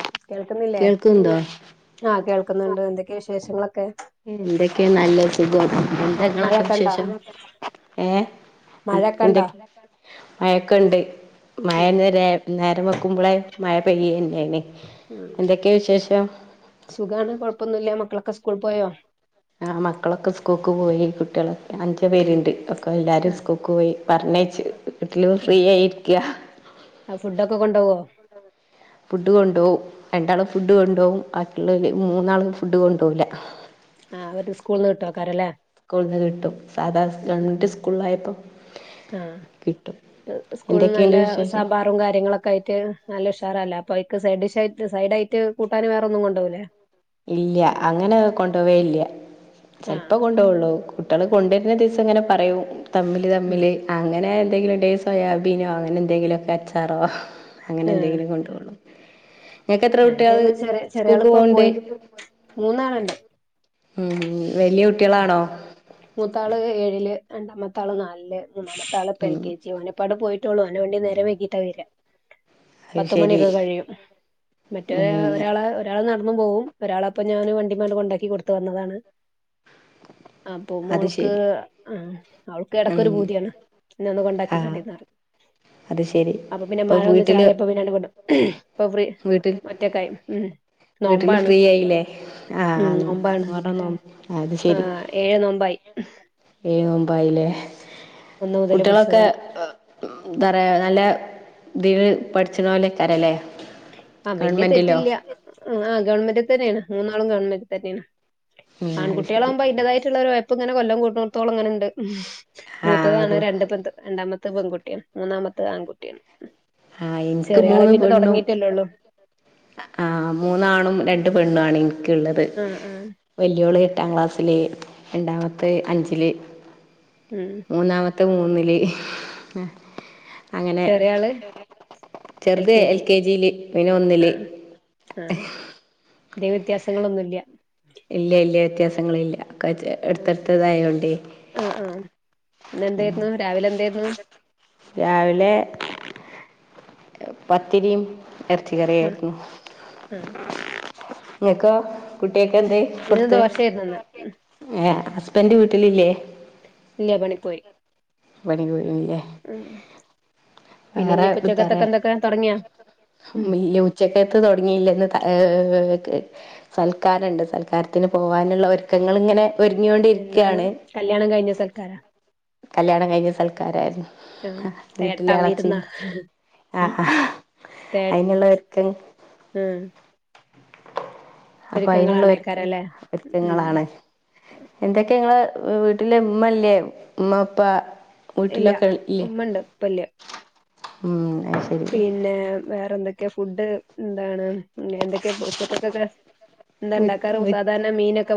അ കേൾക്കുന്നില്ലേ കേൾക്കുന്നുണ്ടോ ആഹ് കേൾക്കുന്നുണ്ട് എന്തൊക്കെയ വിശേഷങ്ങളൊക്കെ എന്തൊക്കെയ നല്ല സുഖം എന്താ നിങ്ങള്ടത്തെ മഴയൊക്കെ ഇണ്ടാ വിശേഷം മഴയൊക്കെ ഇണ്ടാ എന്തൊക്ക മഴൊക്കെുണ്ട് മഴ ഉം നേരെ നേരം വെക്കുമ്പോളെ മയ പ്പയ്യ്ണ്ടേനി ഉം എന്തൊക്കെ വിശേഷം സുഖാണ് കൊഴപ്പൊന്നുംല്ല മക്കളൊക്കെ സ്കൂൾ പോയോ ആ മക്കളൊക്കെ സ്കൂക്ക് പോയി കുട്ടികളൊക്കെ അഞ്ച് പേരുണ്ട് എല്ലാരും സ്ക്കുക്ക് പോയി പറഞ്ഞേച്ച് ആഹ് ആഹ് ഫുഡൊക്കെ കൊണ്ടോവോ ഫുഡ് കൊണ്ടോവും രണ്ടാളും ഫുഡ് കൊണ്ടോവും ബാക്കിള്ളോല് മൂന്നാളും ഫുഡ് കൊണ്ടോവൂല ആഹ് അവര് സ്കൂളിന്ന് കിട്ടോക്കാരല്ലേ സ്കൂൾന്ന് കിട്ടും സാധാ ആഹ് ഗവൺമെന്റ് സ്കൂളായപ്പം ആഹ് സ്കൂളിൽ എന്തൊക്കെയുണ്ട് നല്ല വിശേഷം സാമ്പാറും കാര്യങ്ങളൊക്കെ ആയിട്ട് നല്ല അപ്പക്ക് സഡിഷായിട്ടാ സൈഡായിട്ട് കൂട്ടാൻ വേറെ ഒന്നും കൊണ്ടൊവുലെ ഇല്ല അങ്ങനെ കൊണ്ടോവേ ഇല്ല ചെലപ്പോ ആഹ് കൊണ്ടോവൊള്ളൂ കുട്ടികള് കൊണ്ടുവരുന്ന ദിവസം ഇങ്ങനെ പറയൂം തമ്മില് തമ്മില് അങ്ങനെ എന്തെങ്കിലുംണ്ടെങ്കീ സോയാബീനോ അങ്ങനെ എന്തെങ്കിലുക്കെ അച്ചാറോ അങ്ങനെ ആഹ് എന്തെങ്കിലും കൊണ്ടോവൊള്ളൂ ങ്ങൾക്ക് എത്ര കുട്ടികൾ ആഹ് ചെറിയ സ്കൂൾക്ക് ചെറിയാളിപ്പോ പോക്ണ്ട് പോയി മൂന്നാളുണ്ട് മ് വലിയ കുട്ടികളാണോ മൂത്താള് ഏഴില് രണ്ടാമത്താള് നാലില് മൂന്നാമത്താള് ഇപ്പൊ എ ൽ ഉം കെ ജി ഓനിപ്പാണ്ട് പോയി ട്ടൊള്ളൂ ഓന്റെ വണ്ടി നേരം വൈകീട്ടാ വെരാ അത് ശരി പത്തുമണിയൊക്കെ കഴിയും മറ്റേ ഉം ഒരാള് ഒരാള് നട ന്നും പോം ഒരാളെപ്പ ഞാൻ വണ്ടിമ്മണ്ട് കൊണ്ടാക്കി കൊടുത്ത് വന്നതാണ് അപ്പൊ അത് മോൾക്ക് ശരി ആഹ് അവൾക്ക് ഉം എടക്കൊരു പൂതിയാണ് ഇന്നൊന്ന് കൊണ്ടാക്കി ആ കാട്ടിന്ന് പറിം അത് ശരി അപ്പൊ പിന്നെ മഴ ഒന്ന് ചാറിയപ്പോ പിന്നെ അണ്ട് [inaudible] വീട്ടില് വീട്ടില് നോമ്പാണ് ഫ്രീ ആയില്ലേ ആ [unintelligible] ആ ഏഴ് നോമ്പായി [inaudible] ഏഴ് ‌ നോമ്പായിലെ ഒന്ന് മുതല് കുട്ട്യാളൊക്കെ പിടിച്ചതാണ് എന്താ പറയാ നല്ല [unintelligible] പഠിച്ചതുപോലെക്കാരല്ലേ ആഹ വല്യ തെറ്റില്ല ആ ഗവൺമെന്റ് തന്നെയാണ് മൂന്നാളും ഗവൺമെന്റ് തന്നെയാണ് ഉം അത് ശരി ആൺകുട്ടികളാകുമ്പോ അന്ററെതായിട്ടുള്ള ഇപ്പ ഇങ്ങനെ കൊല്ലം കൂട്ടു നിർത്തുകളൾ അങ്ങനെ ഉണ്ട് മൂത്തതാണ് ആഹ് രണ്ട് പത്ത് രണ്ടാമത്തെ പെൺകുിയും മൂന്നാമത്തെ ആൺകുട്ടിയാണ് ആഹ് എനിക്ക് ചെറിയ ആളെ മൂന്ന് പിന്നെ പെണ്ണും തുടങ്ങിയിട്ടല്ലേള്ളൂ ആഹ മൂന്നാണും രണ്ട് പെണ്ണു ആണെ ള്ളത് ആഹ് ആഹ് വലിയള എട്ടാം ക്ലാസ്സില് രണ്ടാമത്തെ അഞ്ചില് മ് പത്ത് മൂന്നില് ചെറയാള് ചെറുത എൽ കെ ജിയില് പിനെ ഒന്നില് ദൈവ്യത്യാസങ്ങളൊന്നുംല്ല ഇല്ല ഇല്ല വ്യത്യാസങ്ങ ഇല്ല എടുത്തെടുത്തതായോണ്ട് ഇന്ന എന്തായിരുന്നു രാവിലെ എന്തായിരുന്നു രാവിലെ പത്തിരിയും എർച്ചികറ ആഹ് ആയിരുന്നു ആഹ് എനക്ക കുട്ടിയൊക്കെ എന്ത് ഇന്ന് കൊടുത്ത് ദോശയായിരുന്നു ഇന്ന് ഏ ഹസബന്റെ വീട്ടിലില്ലേ ലല്ല പണി പോയി ബണ കു ഇല്ല ഉം പിന്നെ വേറെ ഇനിയിപ്പോ ഉച്ചക്കത്തൊക്കെ തരല് എന്തൊക്കെ തുടങ്ങിയാ ഉം ഉച്ചക്കത്ത് തുടങ്ങിയില്ലന്ന് ഏ സൽക്കാരുണ്ട് സൽക്കാരത്തിന് പോവാനുള്ള ഒരുക്കങ്ങൾ ഇങ്ങനെ എന്താണ് ഒരുങ്ങൊണ്ടിരിക്കയാണ് കല്യാണം കഴിഞ്ഞ സൽക്കാരാ കല്യാണം കഴിഞ്ഞ സൽക്കാരായിരുന്നു ആഹ് തേട്ടാ വീട്ടില വിരുന്നാ ആഹ് തേ അനുള്ളവർക്ക് ഉം അപ്പൊ അതിനുള്ള ഒരു ഒരുക്കങ്ങളാണേക്കാരല്ലേ ഉം ഒരുക്കങ്ങളാണ് എന്തൊക്കെങ്ങള് വീട്ടില് ഉമ്മല്ലേ ഉമ്മപ്പാ ഇല്ല ഉമ്മണ്ട് ഇപ്പല്ല ഉം അത് ശരി പിന്നെ വേറെ എന്തൊക്കെയാ ഫുഡ് എന്താണ് എന്തൊക്കെ ഉച്ചക്കക്ക്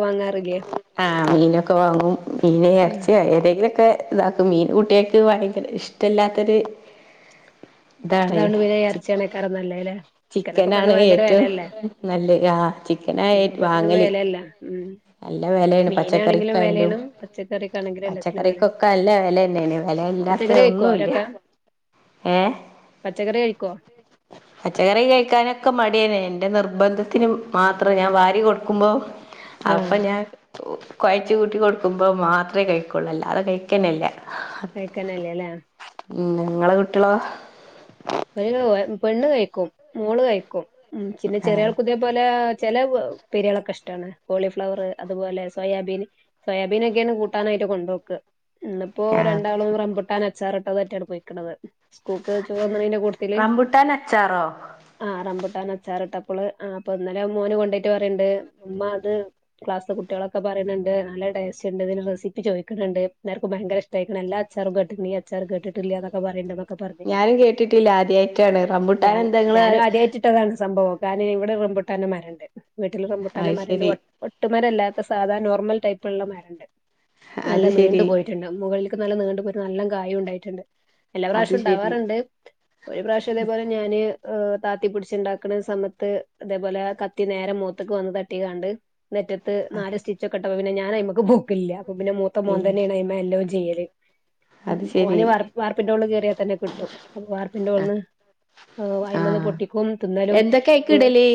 വാങ്ങാറില്ലേ ആഹ് മീനൊക്കെ വാങ്ങും. മീന് ഉം എർച്യോ ഏതെങ്കിലൊക്കെ ഇതാക്കും മീൻ കുട്ട്യേക്ക് ഭയ്ങ്കര ഇഷ്ടല്ലാത്തൊര് താണ്. അതാണ്ട് പിന്നെ ചിക് ഇറച്ചിയാണേക്കാരം നല്ലേല്ലേ ചിക്കനൊക്കെപ്പന്ന് ചിക്കനാണ് ഭയങ്കര ഏറ്റവും വെലല്ലേ നല്ലെ ആഹ് പിനായെറ്റ് വാങ്ങല് ഉംഹ് നല്ല വെലേണ് പച്ചക്കറിക്കായാലും. പച്ചക്കറിക്കാണെങ്കിലും എല്ലാത്തിനും വെലേണ് പച്ചക്കറിക്കൊക്കെ അല്ല വെലന്നേണ് വെലല്ലാത്ത പച്ചക്കറി കഴിക്കോ ഒന്നുല്ല്യ. അവരൊക്കെ ഏഹ് പച്ചക്കറി കഴിക്കോ പച്ചക്കറി കഴിക്കാനൊക്കെ മടിയെ ന്റെ നിർബന്ധത്തിന് മാത്രം ഞാൻ വാരി കൊടുക്കുമ്പോ അപ്പൊ ആഹ് ഞാൻ കൊഴച്ച് കൂട്ടി കൊടുക്കുമ്പോ മാത്ര കഴിക്കൊള്ളു അല്ലാതെ കഴിക്കെനല്ല കഴിക്കന്നല്ല ലെ ഉംഹ് നിങ്ങളെ കുട്ട്യേളോ? [unintelligible] പെണ്ണ് കഴിക്കും മോള് കഴിക്കും ഉംഹ് ചിന്നെ ചെറ്യേ ആഹ് ആൾക്കും ഇതേപോലെ ചെലെ ഉപ്പേര്യേളൊക്കെ ഇഷ്ട്ടാണ്. കോളിഫ്ലവറ് അതുപോലെ സോയാബീൻ സോയാബീനൊക്കേണ് കൂട്ടാനായിട്ട് കൊണ്ടോക്ക് ഇന്ന്പ്പോ അത് രണ്ടാളും ശരി റംമ്പുട്ടാൻ അച്ചാറിട്ടതെ [unintelligible] റ്റാണ് പോയ്‌ക്ക്ണത് സ്കൂക്ക് ചോറ്ണ്ണയിന്റെ റംമ്പുട്ടാൻ അച്ചാറോ ട്ടാൻ അച്ചാറിട്ടപ്പോള് അപ്പൊ ഇന്നലെ മോന് കൊണ്ടൊയിട്ട് പറയണ്ട് ഉമ്മ അത് ക്ലാസിലെ കുട്ടികളൊക്കെ പറയ്ണ് ഇണ്ട് നല്ല ടേസ്റ്റ് ഇണ്ട് ഇതിന് റെസിപ്പി ചോയിക്ക്ണ ഇണ്ട് എല്ലാർക്കും ഭയങ്കര ഇഷ്ടയിക്ക്ണ് എല്ലാ അച്ചാറും കേട്ടിട്ടുണ്ട് ഈ അച്ചാറ് കേട്ടിട്ടില്ല എന്നൊക്കെ പറയ്ണ്ട് നോ ഞാനും കേട്ടി ട്ടില്ല ആദ്യയിട്ടാണ് റംബുട്ടാൻ എന്താ നിങ്ങള് - പോകാന് ഇവിടെ റുമ്പുട്ടാന് മരണ്ട് വീട്ടിൽ റംമ്പുട്ടന്റെ അത് മരണ്ട് ശരി വെ വെട്ടും മരല്ലാത്ത സാധാ നോർമൽ ടൈപ്പ് ഉള്ള മരണ്ടല്ലോ നല്ല അത് നീണ്ടു ശരി പോയിട്ട്ണ്ടാകും മുകളി നല്ലോ നീണ്ട് പോയിട്ട് നല്ലോ കായും ഉണ്ടായിട്ടുണ്ട് എല്ലാ അത് പ്രാവശ്യം ശരി ഉണ്ടാവാറുണ്ട് ഒരു പ്രാവശ്യം അത് പോലെ ഞാാന് താത്തിപ്പിടിച്ചുണ്ടാക്കുന്ന സമയത്ത് അതേപോലെ കത്തി നേരെ മൂത്തക്ക് വന്ന് തട്ടി കാണ്ട് നെറ്റത്ത് നല് സ്റ്റിച്ച ഒക്കെ അപ്പ പിന്നെ ഞൻ നമക്ക് പോക്കില്ല പ്പോ പിന്നെ മൂത്തമോൻ ഇല്ല തന്നെയ അ്മ എല്ലാം ചെയ്യേല് ഉ അത് ശരി ഓന് വാർപ്പിന്റെ ഉള്ളിൽ തന്നെ കിട്ടും വാർ ആഹ് പിന്റെടെന്ന് അയ്മന്ന് ആഹ് പൊട്ടിക്കും തിന്നാലും എന്തൊക്കെ അയിക്ക് ഇടല്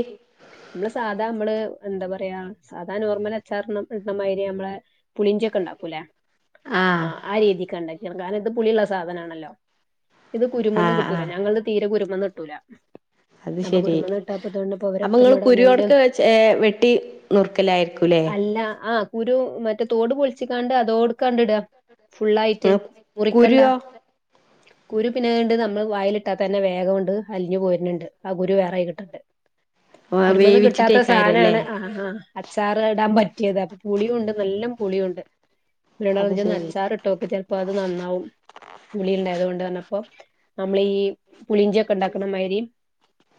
നമ്മള് സാധാ നമ്മള് എന്താ പറയാ സാധാ നോർമൽ അച്ചാർണ് ഇടണമാതിരി നമ്മളെ പുളിഞ്ചൊക്കെ ഉണ്ടാക്കൂല്ലേ ആഹ് ആ ആ രീതിക്കണ്ടൻ [unintelligible] ഇത് പുളിയള്ള സാധന ആണല്ലോ ഇത് കുരുമന്ന് ആഹ് കിട്ടും ആഹ് ഞങ്ങള് തീരെ കുരു വന്നിട്ടൂല അത് ശെരി അപ്പൊ നിങ്ങൾ എന്നോട് പറഞ്ഞ് കുരുവോടക്ക വെച്ച് വെട്ടി നുറക്കലായിരിക്കൂല്ലേ അല്ല ആ കുരു മറ്റേ തോട് പൊളിച്ചിക്കാണ്ട് അതോടുക്കാണ്ട്ടാ ഫുള്ളായിട്ട് മുറിക്കണ്ട കുരുവോ കുരു പിന്നെണ്ട് നമ്മൾ വായിലിട്ടാത്ത തന്നെ വേഗം കൊണ്ട് അലിഞ്ഞു പോര്ന്നുണ്ട് ആ കുരു വേറായി കിട്ടണ്ടേ കുരുമന്ന് കിട്ടാത്ത വേവിച്ചിട്ടേക്കാരല്ലേ സാനാണ് ആ ആ അച്ചാറ് ഇടാൻ പ പറ്റിയതാ അപ്പൊ പുളിയുണ്ട് നല്ല പുളിയുണ്ട് അത് വേണോചി ഒന്ന് ശരി അച്ചാറുട്ട് നോക്ക് ചിലപ്പോ അത് നന്നാവും പുളി ഉണ്ടായതുകൊണ്ടാണ് അപ്പോൾ നമ്മളെ ഈ പുളിഞ്ചൊക്കെ ഉണ്ടാക്കണ മാരി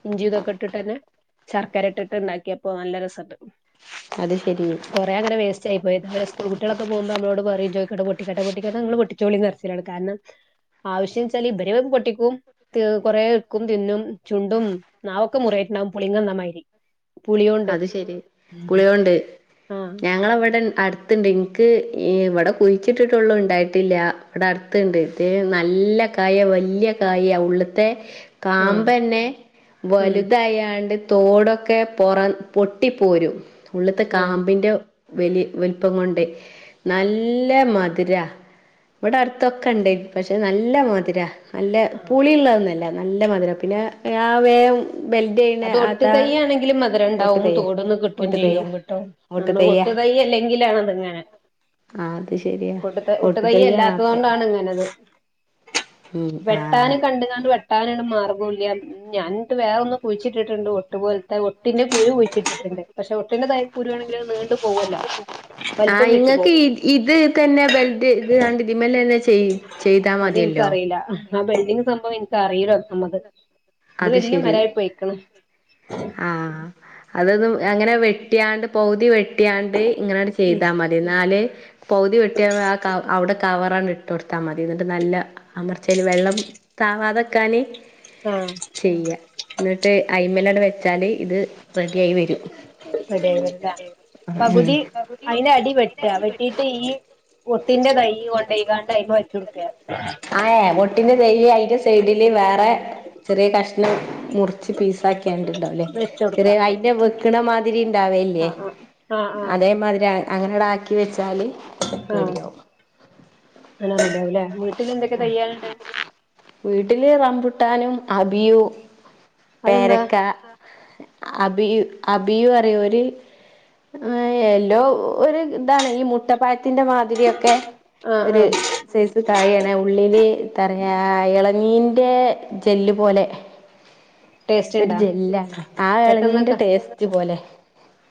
ഇഞ്ചി ഇതൊക്കെ ഇട്ടിട്ട് തന്നെ ശർക്കര ഇട്ടിട്ട് ഇണ്ടാക്കിയപ്പോ നല്ല രസണ്ട് അത് ശരി കുറെേ അങ്ങനെ വേസ്റ്റ് ആയി പോയി അവരെ സ്കൂൾ കുട്ടികളൊക്കെ പോകുമ്പോ നമ്മളോട് [unintelligible] പൊട്ടിക്കട്ടെ പൊട്ടിക്കട്ടെ നിങ്ങള് പൊട്ടിച്ചോളിന്ന് കാരണം ആവേശ്യവെച്ചാൽ ഇവര് ടിക്കും [unintelligible] കുറേക്കും തിന്നും ചുണ്ടും നാവക്കെ മുറിയിട്ടുണ്ടാവും [unintelligible] ശരി അത് ശെരി പുളിയുണ്ട് ആ ഞങ്ങളവിടെ അടു അത്തണ്ട് എൻക്ക് ഇവിടെ കുഴിച്ചിട്ടിട്ടള്ള ഇണ്ടായിട്ടില്ല ഇവിടെ അടുത്തണ്ട് നല്ല കായ വലിയ കായ ഉള്ളത്തെ ആ കാമ്പന്നെ ഉം വലുതയാണ്ട് തോടൊക്കെ പൊറം പൊട്ടിപോരും ഉള്ളിത്തെ ആഹ് കാമ്പിന്റെ - വലി വലിപ്പം കൊണ്ടേ നല്ല മധുരാ ഇവിടെ അടുത്തൊക്കെണ്ടേ പക്ഷെ നല്ല മധുരാ അല്ല ആഹ് പുളിള്ളതോന്നല്ല നല്ല മധുര പിന്നെ യായ് [unintelligible] വേം ബെൽഡ് ചെയ്യണ അത് ഒട്ട് അതാ തയ്യണെങ്കിലും മതി ഒട്ടു മധുരണ്ടാകും തയ്യ തോട്ന്ന് കിട്ടും ഒട്ടു തയ്യ ചെയ്യും കിട്ടും ഒട്ടു നമ്മള് തയ്യ ഒട്ട് തയ്യല്ലെങ്കിലാണതങ്ങനെ ആ അത് ശരിയാ ഒട്ട് ത ഒട്ട് ഒട്ടു തയ്യാണൊക്കെ തയ്യല്ലാത്തോണ്ടാണങ്ങനത് ഉം ആ വെട്ടാന് കണ്ട്ങ്ങാണ്ട് വെട്ടാനണ് മാർഗോല്ല ഞാനിട്ട് വേറൊന്ന് കുഴിച്ചിട്ട്ണ്ട് ഒട്ടു പോൽത്തെ ഒട്ടിന്റെ കുരു കുഴിച്ചിട്ടിട്ടുണ്ട് പക്ഷെ ഒട്ടിൻ്റെ തയ് കുരുവാണെങ്കിലത് നീ ആഹ് ഇങ്ങക്ക് ഈ ഇത് തന്നെ ബെൽഡെയ്ത്ങ്ങാണ്ട് ഇതിമ്മലെന്നെ ചെയ് ചെയ്താ മതിയല്ലോ ആഹ് ബൽഡിങ് സംഭവം എനിക്കറീല്ല ഒന്നാമത് ഇത് വല്ല്യ മരായി പോയി ആഹ് അതൊന്ന് അങ്ങനെ വെട്ട്യാണ്ട് പൗതി വെ ട്ട്യാണ്ട് ഇങ്ങനണ്ട് ഉം ചെയ്താ മതി ന്നാല് പൗതി വെട്ടിയ അ ക അവ്ടെ കവറണ്ട് ഇട്ടൊട്ത്താ മതി ന്ന്ട്ട് നല്ല അമർചേൽ വെള്ളം താവാതെ ക്കാന് ആഹ് ചെയ്യ ന്ന്‌ട്ട് അയ്മ്മലണ് വെച്ചാല് ഇത് റെഡിയായി വരും [unintelligible] പകുതി അയ്ന്റെ അടി വെട്ട വെട്ടിട്ട് ഈ ഒട്ടിന്റെ തയ്‌ കൊണ്ടോയ്ങ്ങാണ്ട് അയ്മെ വെച്ച് കൊട്ക്ക ആഹ് ഒട്ടിന്റെ തൈയ്യ് അയിന്റെ സൈഡില് വേറെ ചെറിയ കാഷ് മുറിച്ച് പീസാക്കണ്ടണ്ടാവുംല്ലേ വെച്ച് കൊടുക്ക ചെറിയ അയിന്റെ വെക്കണ മാതിരി ആ ഇണ്ടാവെല്ലേ ആ അതേമാതിരി അങ്ങനടാക്കി വെച്ച് ആഹ് അതെല്ലെ വീട്ടില് എന്തെക്കെ തെയ്യ്ണ്ട് വീട്ടില് റമ്പൂട്ടാനും അബിയൂ അതെന്താ പേരക്ക അബിയു അബിയു പറയും ഒര് യെല്ലോ ഒരു ഇതാണ് ഈ മുട്ടപ്പായത്തിന്റെ മാതിരിക്കെ ആ ആ ഒരു സൈസ് കായാണ് ഉള്ളില് റഞ്ഞാ എളനീൻ്റെ തെല്ലു പോലെ ടേസ്റ്റ് ഒരു ഇണ്ടാ ജെല്ലാണ് ആ പെട്ടെന്ന് ഇളഞ്ഞീന്റെ ക ടേസ്റ്റ് പോലെ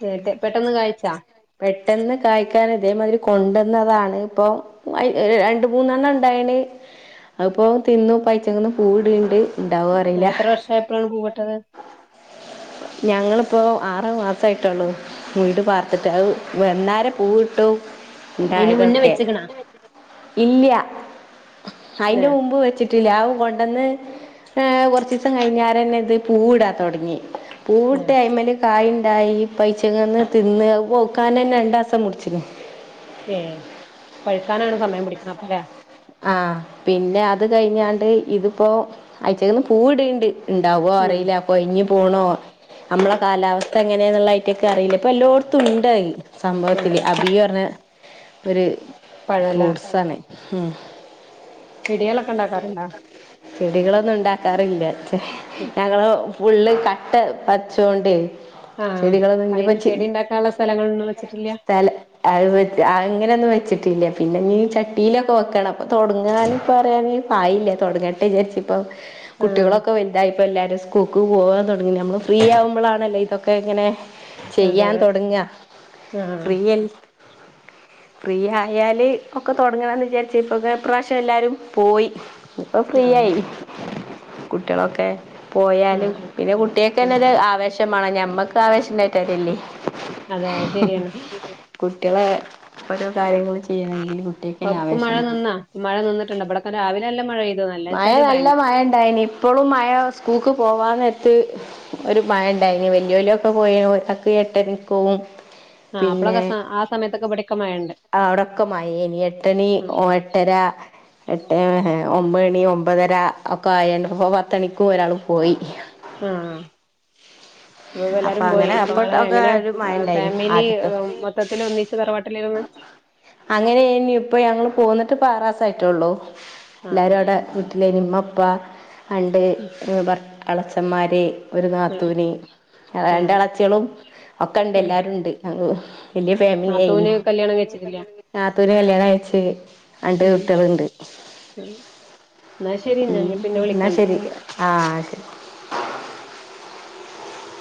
ഏഹ് പെട്ടെന്ന് കായ്ച്ചാ പെട്ടെന്ന് കായ് ഇതേ മാതിരി കൊണ്ടന്നതാണ് പ്പോ രണ്ടു മൂന്നെണ്ണം ഇണ്ടായിനി അതിപ്പോ തിന്നു പയിച്ച പൂവിടിണിണ്ട് എത്ര വർഷായപ്പോഴാണ് പൂവിട്ടത് ഞങ്ങളിപ്പോ ആറ് മാസായിട്ടുള്ളൂ വീട് പാർത്തിട്ട് അത് വന്നാരം പൂവിട്ടു അതിന് മുന്നേ വെച്ചക്കണാ ഇല്ല്യാ ന്നെ അതിന്റെ മുമ്പ് വെച്ചിട്ട് [unintelligible] കൊണ്ടന്ന് ഏഹ് കൊറച്ച് ദിവസം കഴിഞ്ഞാരന്നെ ഇത് പൂ ഇടാൻ തൊടങ്ങി. പൂവിട്ട് ഏഹ് അയ്മ്മല് കായും ണ്ടായി. പൈച്ചങ്ങന്ന് തിന്ന് വോ കാനൻ രണ്ടാസം മുടിച്ചിന്. ഏഹ് പഴുക്കാനാണ് സമയം പിടിക്കണെ അപ്പല്ലേ ആഹ് പിന്നെ അത് കഴിഞ്ഞാണ്ട് ഇതിപ്പോ അ തീന്ന് പൂവിടീണ്ട് ഇണ്ടാവോ ഉം അറിയില്ല അപ്പ ഇഞ്ഞി പോണോ നമ്മളെ കാലാവസ്ഥ എങ്ങനെയന്നുള്ള അയിറ്റൊക്കെ അറിയില്ല ഇപ്പൊ എല്ലോടത്തും ഉണ്ടയി സംഭവത്തില് ഏഹ് അബിയ പറഞ്ഞ് ഒര് പഴല്ലേ ഫ്രൂട്സാണ് ഉം ചെടികളൊക്കെ ഇണ്ടാക്കാറുണ്ടോ ചെടികളൊന്നും ഇണ്ടാക്കാ റില്ല ഞങ്ങളും ഫുള്ള് കട്ട് പച്ചോണ്ടെ ആഹ് അപ്പ ചെടികളൊന്നുംനി അയിന് വെച്ചി ചെടി ഉണ്ടാക്കാനുള്ള സ്ഥലങ്ങളൊന്നും വെച്ചിട്ടില്ല സ്ഥല അത് അങ്ങനൊനും വെച്ചിട്ടില്ല പിന്നെ മീ ചട്ടിലും വെക്കണം തുടങ്ങാനും പറയാനും ആയില്ല തുടങ്ങട്ടെ വിചാരിച്ചപ്പോ ആഹ് കുട്ടികളൊക്കെ വലുതായി ഇപ്പൊ എല്ലാരും സ്കൂക്കു പോകാൻ തുടങ്ങി നമൾ ഫ്രീ ആവുമ്പളാണല്ല ഇതൊക്കെ ഇങ്ങനെ അതെ ചെയ്യാൻ അതെ തൊടങ്ങ ആഹ് ഫ്രീ ഫ്രി ആയാല് ഒക്കെ തുടങ്ങണന്ന് വിചാരി [unintelligible] ഇപ്രാവശ്യം എല്ലാരും പോയി ഇപ്പം ആഹ് ഫ്രീയായി കുട്ടികളൊക്കെ പോയാലും ആഹ് പിന്നെ കുട്ടികക്ക് തന്നെ ഉം ഒരു ആവേശ മാണ് ഞമ്മക്ക് ആവശ്യണ്ടായിട്ട് അറില്ലേ അതെ അത് ശരിയാണ് കുട്ടികളെ ഓരോ കാര്യങ്ങള് ചെയ്യണെങ്കിൽ കുട്ടിക്കന്നേ ആവേശം വേണം നിന്നോ മഴ നിന്ന് - ഉണ്ട്വിടക്കം രാവിലല്ല മഴ മഴ നല്ലച്ചാല് ഭയ നല്ല മഴ ഇണ്ടായിനി ഇപ്പോഴും മഴ സ്കൂൾക്ക് പോവാന്ന എത്ത് ഒരു പഴണ്ടായിനി വല്യോലിയ ഒക്കെ പോയി ഒരാക്ക് എട്ടനിക്കവും ആഹ്പ്പളൊെ ആ സമയത്തൊക്കെ മഴണ്ട് അവിടൊക്കെ മയ മേനി എട്ടണി ഉം ഓ എട്ടര എട്ടേ ഒമ്പ മണി ഒമ്പതര ഒക്കെ ആയപ്പോ പത്തണിക്കും ഒരാൾ പോയി ആഹ് അപ്പൊ എല്ലാരും പോയി അങ്ങനെ ഇപ്പ നളെ അപ്പോട്ടൊക്കെ എങ്ങനെ ഒരു മഴ ഉണ്ടായിന് ഫാമിലി ആദ്യത്തെ മൊത്തത്തി ഒന്നിച്ച് പറട്ട അങ്ങനെ ഇപ്പൊ ഞങ്ങള് പോ എന്നിട്ട് പാറാസ ആയിട്ടേള്ളൂ ആഹ് എല്ലാരും ആഹ് അവിടെ വീട്ടിലെ ഇനിമ്മ കുപ്പ പണ്ട് അളച്ച സമാരെ- ഒരു ആഹ് നാത്തൂവിന രണ്ട ആഹ് ഇളച്ചികളും ഒക്കെ ഉണ്ട് ആഹ് എല്ലരുും ഉണ്ട് അ വലിയ ഫാമിലി നാത്തൂന് ആയിരുന്നു കല്യാണം കഴച്ചിട്ടില്ല ആത്തര് കല്യാണം അയച്ചു രണ്ട് കുട്ടികളുണ്ട് ഉം എന്നാ ശരി ഞാൻ ഉം പിന്നെ പി വിളിക്കണ്ട് ശരി ആഹ ശരി